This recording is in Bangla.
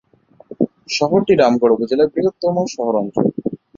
শহরটি রামগড় উপজেলার বৃহত্তম শহরাঞ্চল।